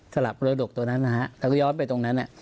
สลับรวดดกตัวนั้นนะครับแล้วก็ย้อนไปตรงนั้น